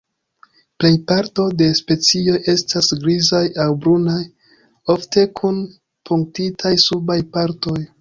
Plej parto de specioj estas grizaj aŭ brunaj, ofte kun punktitaj subaj partoj.